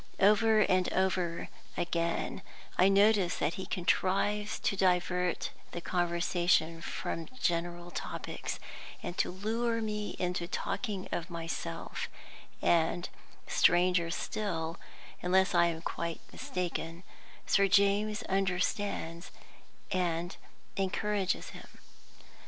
Over and over again I notice that he contrives to divert the conversation from general topics, and to lure me into talking of myself; and, stranger still (unless I am quite mistaken), Sir James understands and encourages him.